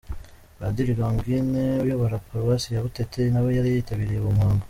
Padiri Longine uyobora paruwasi ya Butete nawe yari yitabiriye uwo muhango.